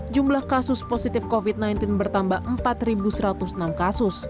jumlah kasus positif covid sembilan belas bertambah empat satu ratus enam kasus